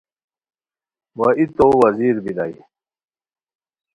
وا ای تو وزیر بیرائے